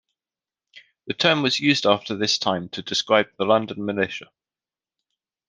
The term was used after this time to describe the London militia.